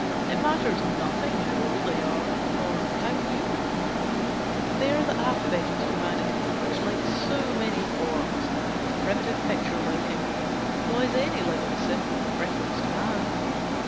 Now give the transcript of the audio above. It matters nothing how old they are, or how new; they are the alphabet of humanity, which like so many forms of primitive picture writing employs any living symbol in preference to man.